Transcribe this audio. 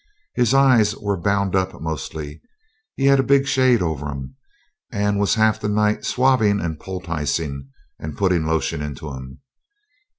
His eyes was bound up mostly; he had a big shade over 'em, and was half the night swabbing and poulticing, and putting lotion into 'em.